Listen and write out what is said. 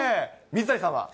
水谷さんは？